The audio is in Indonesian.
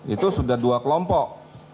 itu sudah dua kelompok